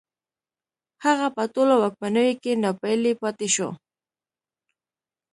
هغه په ټولو واکمنیو کې ناپېیلی پاتې شو